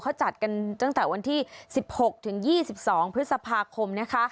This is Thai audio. เขาจัดกันตั้งแต่วันที่๑๖๒๒พฤษภาคม